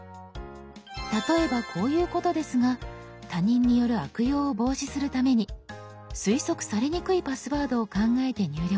例えばこういうことですが他人による悪用を防止するために推測されにくいパスワードを考えて入力。